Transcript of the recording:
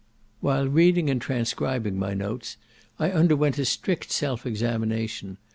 While reading and transcribing my notes, I underwent a strict self examination.